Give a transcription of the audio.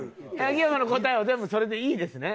秋山の答えは全部それでいいですね？